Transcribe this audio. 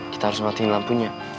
kita harus matiin lampunya